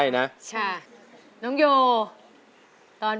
ไม่เคยลืมคำคนลำลูกกา